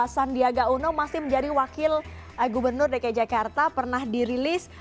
sandiaga uno masih menjadi wakil gubernur dki jakarta pernah dirilis